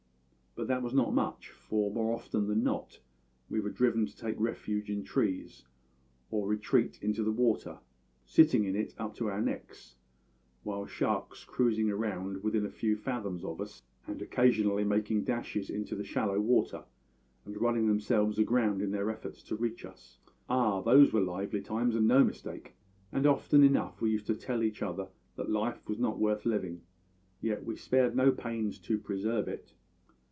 But that was not much, for more often than not we were driven to take refuge in trees, or to retreat into the water, sitting in it up to our necks, with sharks cruising round within a few fathoms of us and occasionally making dashes into the shallow water and running themselves aground in their efforts to reach us. Ah! those were lively times and no mistake; and often enough we used to tell each other that life was not worth living; yet we spared no pains to preserve it.